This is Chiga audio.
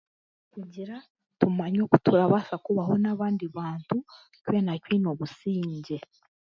Kugira tumanye okutaraabaase kubaho n'abandi bantu twena twine obusingye